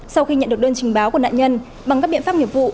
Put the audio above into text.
sau khi nhận được đơn trình báo của nạn nhân bằng các biện pháp nghiệp vụ